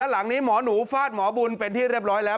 หลังนี้หมอหนูฟาดหมอบุญเป็นที่เรียบร้อยแล้ว